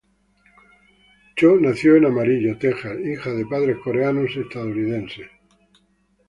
Cho nació en Amarillo, Texas, hija de padres coreano-estadounidenses.